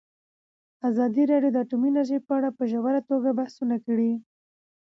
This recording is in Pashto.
ازادي راډیو د اټومي انرژي په اړه په ژوره توګه بحثونه کړي.